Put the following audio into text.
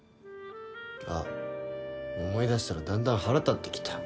あっ思い出したらだんだん腹立ってきた。